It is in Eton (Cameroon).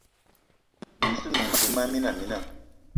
Mini te nòṅ duma mina mina